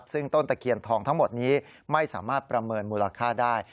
ซึ่งต้นตะเคียนทองทั้งหมดนี้ไม่สามารถประเมินมูลค่าได้